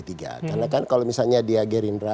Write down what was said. karena kan kalau misalnya dia gerindra